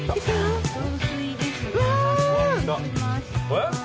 えっ？